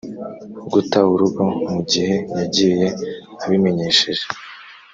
guta urugo mu gihe yagiye abimenyesheje